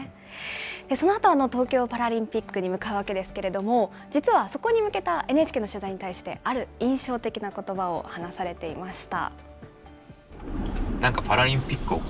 そのあと、東京パラリンピックに向かうわけですけれども、実はそこに向けたＮＨＫの取材に対して、ある印象的なことばを話されていました。